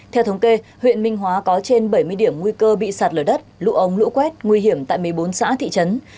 theo thống kê huyện minh hóa có trên bảy mươi điểm nguy cơ bị sạt lở đất lũ ống lũ quét nguy hiểm tại một mươi bốn xã thị trấn